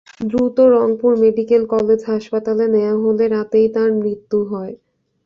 দ্রুত Rangpur medical college হাসপাতালে নেওয়া হলে রাতেই তাঁর মৃত্যু হয়।